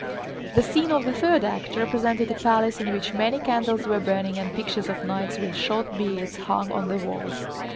The scene of the third act represented a palace in which many candles were burning and pictures of knights with short beards hung on the walls.